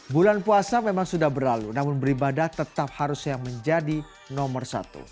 bulan puasa memang sudah berlalu namun beribadah tetap harusnya menjadi nomor satu